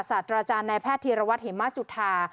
ศาสตราจารย์นายแพทย์ธีรวัตรเหมาจุธา